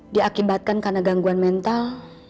diakibatkan karena gangguan mental